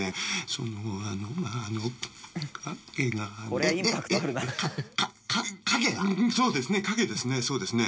そうですね影ですね